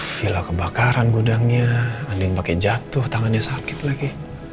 gila kebakaran gudangnya andin pake jatuh tangannya sakit lagi